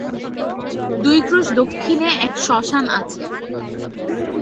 দুই ক্রোশ দক্ষিণে এক শ্মশান আছে।